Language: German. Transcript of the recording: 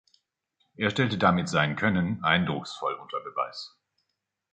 Er stellte damit sein Können eindrucksvoll unter Beweis.